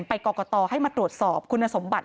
ไปกอกอตตบางสมบูรณ์ให้มาตรวจสอบคุณสมบัติ